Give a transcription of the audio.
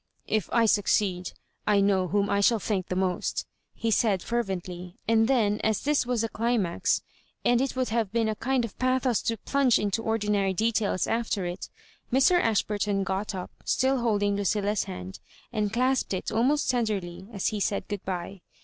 " If I succeed, I know whom I shall thank the most," he said, fervently ; and then, as this was a dimax, and it would have been a kind of bathos to plunge into ordinary details after it, Mr. Ashburton got up, still holding Ludlla's hand, and clasped it almost tenderly as he said good bye.